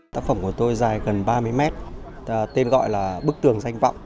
tác phẩm của tôi dài gần ba mươi mét tên gọi là bức tường danh vọng